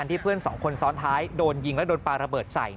เพื่อนสองคนซ้อนท้ายโดนยิงและโดนปลาระเบิดใส่